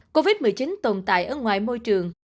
covid một mươi chín tồn tại ở ngoài môi trường